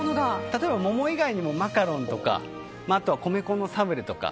例えば桃以外にもマカロンとか米粉のサブレとか。